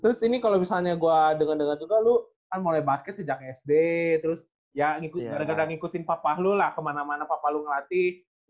terus ini kalo misalnya gua denger denger juga lu kan mulai basket sejak sd terus ya kadang kadang ngikutin papa lu lah kemana mana papa lu ngelatih